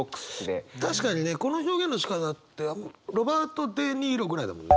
確かにねこの表現のしかたってロバート・デ・ニーロぐらいだもんね。